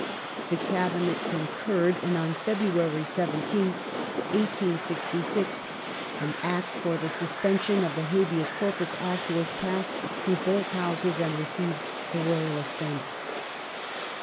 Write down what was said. The Cabinet con curred, and on February 17th, 1866, an Act for the suspension of the Habeas Corpus Act was passed through both Houses and received the Royal assent.